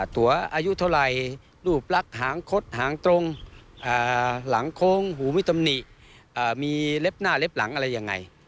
ตัวอายุเท่าไหร่รูปลักษณ์หางคดหางตรงหลังโค้งหูไม่ตำหนิมีเล็บหน้าเล็บหลังอะไรยังไง